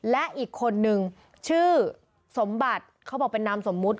และอีกคนนึงชื่อสมบัติเขาบอกเป็นนามสมมุติ